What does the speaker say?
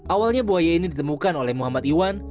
awalnya buaya ini ditemukan oleh muhammad iwan